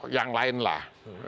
yang lain lah